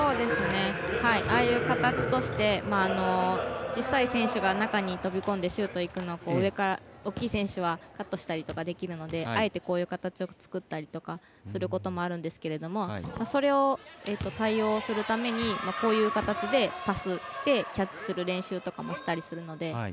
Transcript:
ああいう形として小さい選手が中に飛び込んでシュートいくのか上から大きい選手はカットしたりできるのであえてこういう形を作ったりとかすることもあるんですけどそれを、対応するためにこういう形でパスしてキャッチする練習とかもしたりするので。